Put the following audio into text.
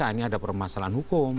ini ada permasalahan hukum